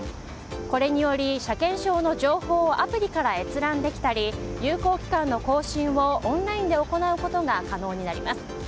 これにより車検証の情報をアプリから閲覧できたり有効期間の更新をオンラインで行うことが可能になります。